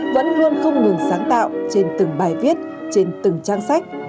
vẫn luôn không ngừng sáng tạo trên từng bài viết trên từng trang sách